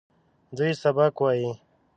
دوی سبق وايي.